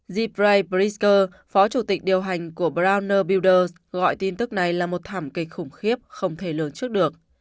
zebrai briscoe phó chủ tịch điều hành của browner builders gọi tin tức này là một thảm kinh khủng khiếp không thể lường trước được